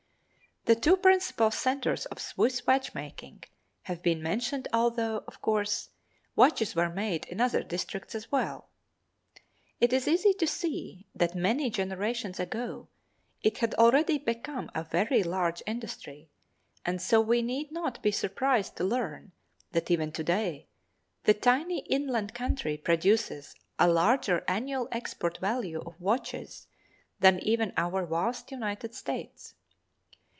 The two principal centers of Swiss watchmaking have been mentioned although, of course, watches were made in other districts as well. It is easy to see that many generations ago it had already become a very large industry, and so we need not be surprised to learn that even to day the tiny inland country produces a larger annual export value of watches than even our vast United States.